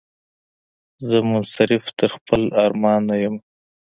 زه منصرف تر خپل ارمان نه یمه